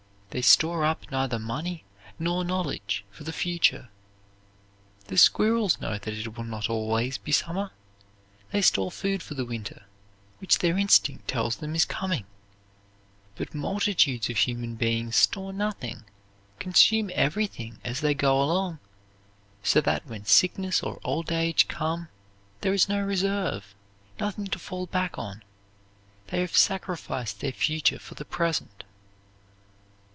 They store up neither money nor knowledge for the future. The squirrels know that it will not always be summer. They store food for the winter, which their instinct tells them is coming; but multitudes of human beings store nothing, consume everything as they go along, so that when sickness or old age come, there is no reserve, nothing to fall back upon. They have sacrificed their future for the present.